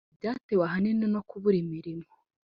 Ibi ngo byatewe ahanini no kubura imirimo